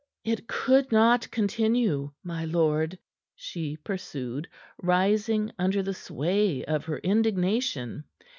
It could not continue, my lord," she pursued, rising under the sway of her indignation.